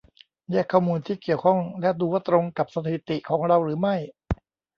แยกข้อมูลที่เกี่ยวข้องและดูว่าตรงกับสถิติของเราหรือไม่